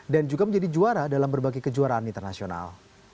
dan juga menjadi juara dalam berbagai kejuaraan internasional